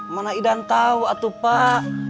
mana idan tau atuh pak